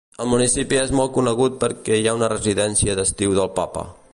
El municipi és molt conegut perquè hi ha la residència d'estiu del papa.